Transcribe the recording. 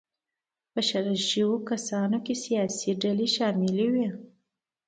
په شړل شویو کسانو کې سیاسي ډلې شاملې وې.